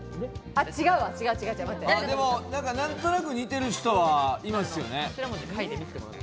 でも何となく似てる人はいますよね？